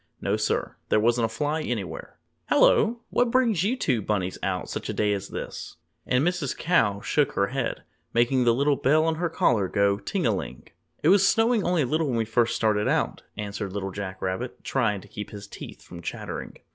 No, sir! There wasn't a fly anywhere! "Helloa! What brings you two bunnies out such a day as this?" And Mrs. Cow shook her head, making the little bell on her collar go ting a ling! "It was snowing only a little when we first started out," answered Little Jack Rabbit, trying to keep his teeth from chattering.